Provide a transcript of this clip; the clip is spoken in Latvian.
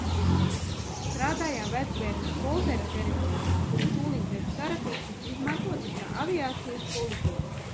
Strādājām Vecbērzes poldera teritorijā, kura tūliņ pēc kara tikusi izmantota kā aviācijas poligons.